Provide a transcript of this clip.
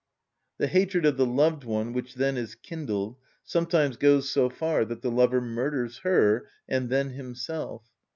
The hatred of the loved one which then is kindled sometimes goes so far that the lover murders her, and then himself.